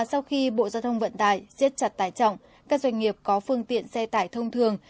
sau khi bộ giao thông vận tải giết chặt tải trọng các doanh nghiệp có phương tiện xe tải thông thường